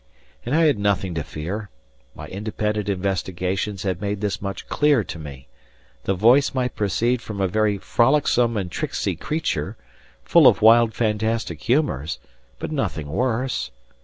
And I had nothing to fear; my independent investigations had made this much clear to me; the voice might proceed from a very frolicsome and tricksy creature, full of wild fantastic humours, but nothing worse.